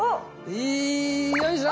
いよいしょ！